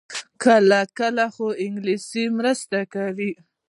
کله کله، خو انګلیسي مرسته کوي